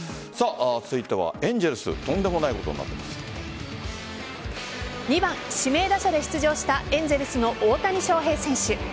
続いてはエンゼルス２番・指名打者で出場したエンゼルスの大谷翔平選手。